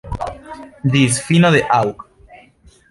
Ĝis fino de aŭg.